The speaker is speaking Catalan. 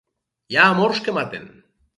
Hi ha amors que maten.